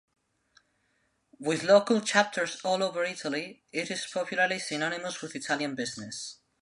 With local chapters all over Italy, it is popularly synonymous with Italian business.